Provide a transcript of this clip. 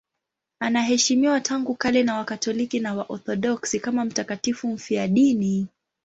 Anaheshimiwa tangu kale na Wakatoliki na Waorthodoksi kama mtakatifu mfiadini.